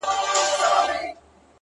• اوس له كندهاره روانـېـــږمه؛